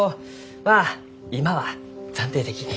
まあ今は暫定的に。